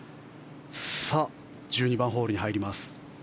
１２番ホールに入ります。